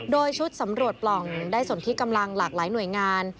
โดยชุดสำรวจปล่องได้ส่วนที่กำลังหลากหลายหน่วยงาน